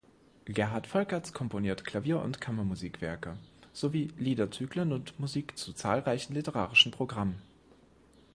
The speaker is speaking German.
Gerhard Folkerts komponiert Klavier- und Kammermusikwerke sowie Liederzyklen und Musik zu zahlreichen literarischen Programmen.